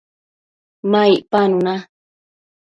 ma icpanu na